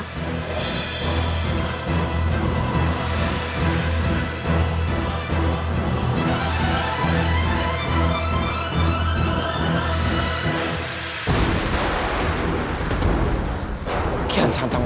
ketika kian santang dibunuh